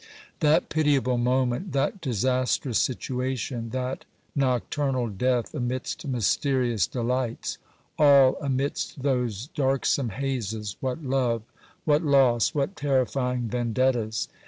OBERMANN 63 That pitiable moment, that disastrous situation, that nocturnal death amidst mysterious delights ! All amidst those darksome hazes, what love, what loss, what terrifying vendettas